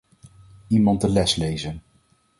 Iemand de les lezen.